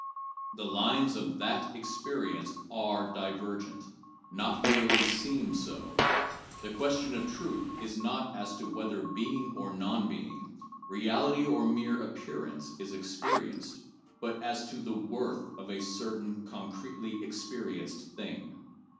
The lines of that experience are divergent : not merely seem so. The ques tion of truth is not as to whether Being or Non Being, Reality or mere Appearance, is experienced, but as to the worth of a certain concretely experienced thing.